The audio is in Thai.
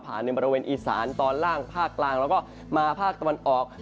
ในบริเวณอีสานตอนล่างภาคกลางแล้วก็มาภาคตะวันออก